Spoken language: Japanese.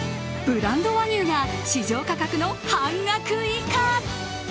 ブランド和牛が市場価格の半額以下。